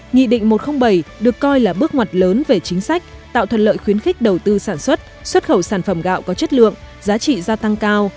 nghị định một trăm linh bảy được coi là bước ngoặt lớn về chính sách tạo thuận lợi khuyến khích đầu tư sản xuất xuất khẩu sản phẩm gạo có chất lượng giá trị gia tăng cao